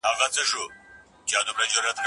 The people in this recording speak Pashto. صنعت د لویدیځوالو له خوا دود سو.